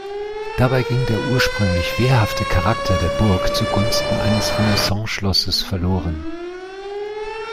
Dabei ging der ursprünglich wehrhafte Charakter der Burg zugunsten eines Renaissanceschlosses verloren.